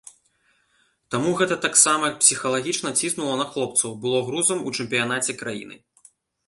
Таму гэта таксама псіхалагічна ціснула на хлопцаў, было грузам у чэмпіянаце краіны.